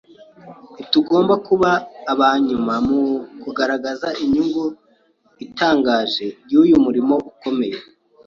Ntitugomba kuba abanyuma mu kugaragaza inyungu itangaje y’uyu murimo ukomeye